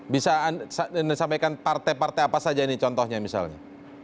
bisa disampaikan partai partai apa saja ini contohnya misalnya